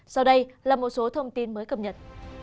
sau đây là một số thông tin mới cập nhật